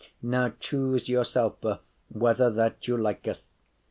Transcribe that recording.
Now choose yourselfe whether that you liketh.